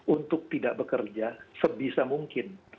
untuk tidak bekerja sebisa mungkin